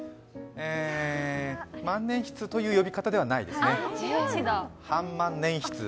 え、万年筆という呼び方ではないですね。